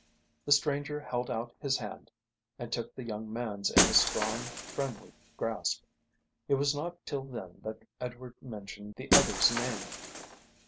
The stranger held out his hand and took the young man's in a strong, friendly grasp. It was not till then that Edward mentioned the other's name.